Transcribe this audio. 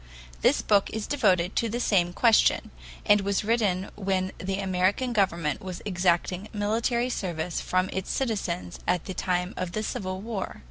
This book is devoted to the same question, and was written when the American Government was exacting military service from its citizens at the time of the Civil War.